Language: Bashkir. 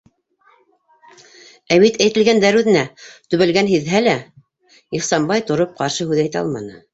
Ә бит, әйтелгәндәр үҙенә төбәлгәнен һиҙһә лә, Ихсанбай, тороп, ҡаршы һүҙ әйтә алманы.